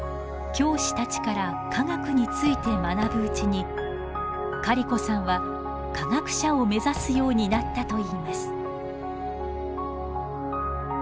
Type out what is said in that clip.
教師たちから科学について学ぶうちにカリコさんは科学者を目指すようになったといいます。